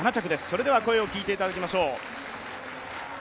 それでは声を聞いていただきます。